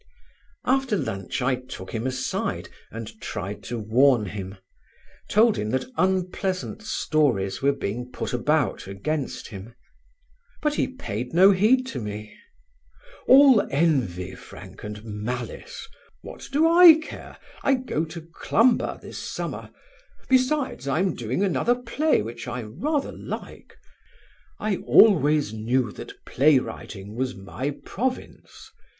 '" After lunch I took him aside and tried to warn him, told him that unpleasant stories were being put about against him; but he paid no heed to me. "All envy, Frank, and malice. What do I care? I go to Clumber this summer; besides I am doing another play which I rather like. I always knew that play writing was my province.